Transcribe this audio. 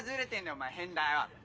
お前変だよって！